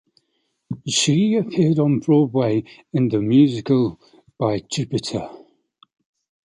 She appeared on Broadway in the musical "By Jupiter".